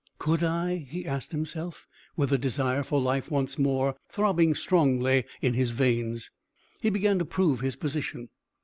"Could I?" he asked himself, with the desire for life once more throbbing strongly in his veins. He began to prove his position.